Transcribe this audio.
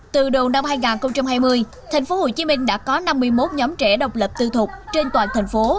từ đầu năm hai nghìn hai mươi tp hcm đã có năm mươi một nhóm trẻ độc lập tư thục trên toàn thành phố